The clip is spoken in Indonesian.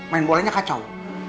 main bolanya kacau